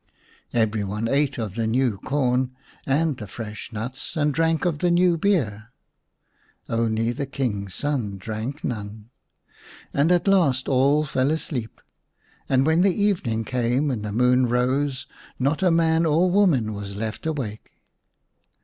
Every one ate of the new corn and the fresh nuts, and drank of the new beer. Only the King's son drank none, and at last all fell asleep ; and when the evening came and the moon rose not a man or woman was left awake.